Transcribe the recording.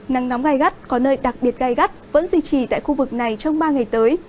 nắng nóng gai gắt có nơi đặc biệt gai gắt vẫn duy trì tại khu vực này trong ba ngày tới